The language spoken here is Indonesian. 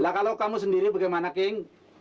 lah kalau kamu sendiri bagaimana king